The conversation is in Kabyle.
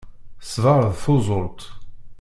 Ṣṣber d tuẓult.